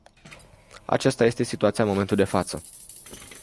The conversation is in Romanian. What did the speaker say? Aceasta este situația în momentul de față.